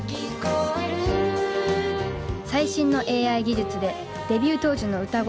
最新のＡＩ技術でデビュー当時の歌声を再現。